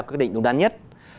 quyết định đúng đắn nhất